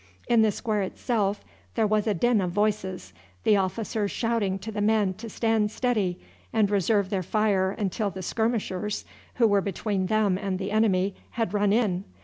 In the square itself there was a din of voices, the officers shouting to the men to stand steady and reserve their fire until the skirmishers, who were between them and the enemy, had run in.